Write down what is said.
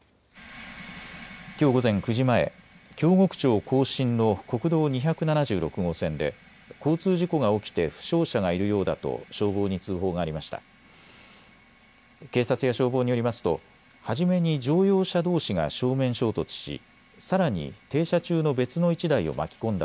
きょう午前９時前、京極町更進の国道２７６号線で交通事故が起きて負傷者がいるようだと消防に通報がありました。